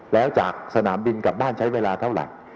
แล้วจากสนามบินกลับบ้านใช้เวลาเท่าไหร่